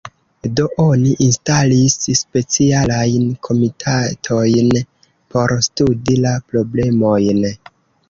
Do oni instalis specialajn komitatojn por studi la problemojn.